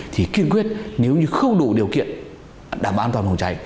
thì kiên quyết nếu như không đủ điều kiện đảm bảo an toàn phòng cháy